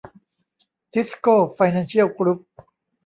ทิสโก้ไฟแนนเชียลกรุ๊ป